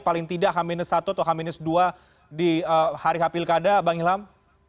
paling tidak h satu atau h dua di hari h pilkada bang ilham